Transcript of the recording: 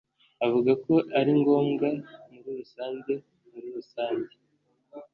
Avuga ko ari ngombwa muri rusange muri rusange